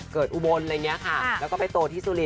เกิดอุบลอะไรอย่างนี้ค่ะ